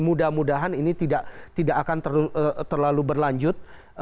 mudah mudahan ini tidak akan terlalu berlanjut